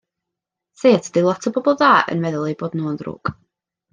Seiat ydi lot o bobl dda yn meddwl eu bod nhw yn ddrwg.